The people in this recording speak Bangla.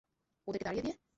ওদেরকে তাড়িয়ে দিয়ে?